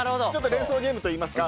連想ゲームといいますか。